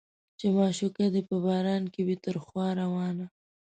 چې معشوقه دې په باران کې وي تر خوا روانه